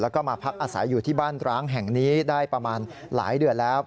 แล้วก็มาพักอาศัยอยู่ที่บ้านร้างแห่งนี้ได้ประมาณหลายเดือนแล้ว